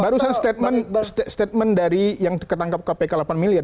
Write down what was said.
barusan statement dari yang ketangkap kpk delapan miliar